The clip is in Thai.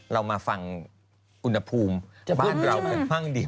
เรามาฟังกุณภูมิบ้านเราเป็นบ้างดี